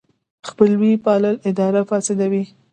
خپلوي پالل اداره فاسدوي.